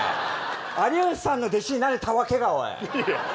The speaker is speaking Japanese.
有吉さんの弟子になれたわけが。